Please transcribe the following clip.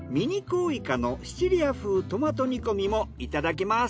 甲イカのシチリア風トマト煮込みもいただきます。